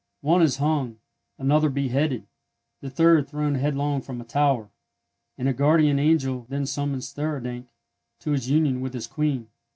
One is hung, another beheaded, the third thrown headlong from a tower, and a guardian angel then summons Theurdank to his union with his Queen.